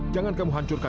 jangan kamu hancurkan